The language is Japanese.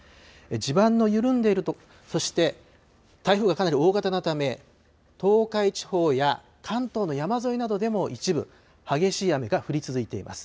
地盤の緩んでいるところそして台風がかなり大型のため東海地方や関東の山沿いなどでも一部、激しい雨が降り続いています。